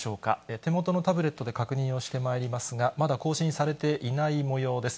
手元のタブレットで確認をしてまいりますが、まだ更新されていないもようです。